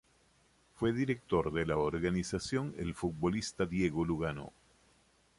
Fue director de la organización el futbolista Diego Lugano.